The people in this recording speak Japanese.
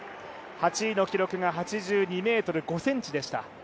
８位の記録が８２ｍ５ｃｍでした。